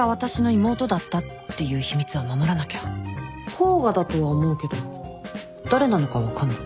甲賀だとは思うけど誰なのか分かんない。